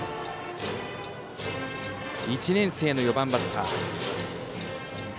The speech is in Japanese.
１年生の４番バッター。